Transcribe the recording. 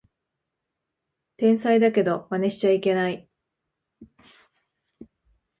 天才だけどマネしちゃいけない